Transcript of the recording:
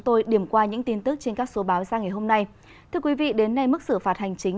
thưa quý vị đến nay mức xử phạt hành chính